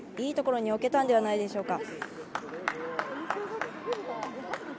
いいところには置けたんじゃないでしょうか。